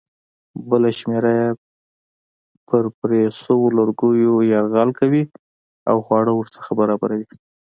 بله شمېره یې پر پرې شویو لرګیو یرغل کوي او خواړه ورڅخه برابروي.